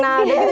nah udah gitu